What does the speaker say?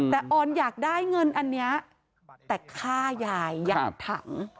แต่ออนอยากได้เงินอันนี้แต่ฆ่ายายอยากถัง